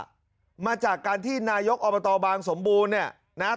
ตำรวจนะครับพุ่งปมการลอกฆ่ามาจากการที่นายกอบตบางสมบูรณ์เนี่ย